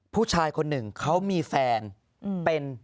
ผู้ชายคนหนึ่งเขามีแฟนเป็น